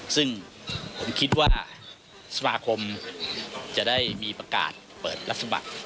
ซึ่งผมคิดว่าสมาคมจะได้มีประกาศเปิดรับสมัคร